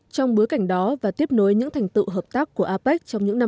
trong bối cảnh đó và tiếp nối những thành tựu hợp tác của apec trong những năm